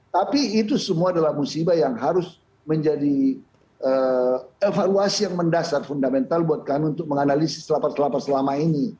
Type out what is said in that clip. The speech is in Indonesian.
tapi itu semua adalah musibah yang harus menjadi evaluasi yang mendasar fundamental buat kami untuk menganalisis lapas lapas selama ini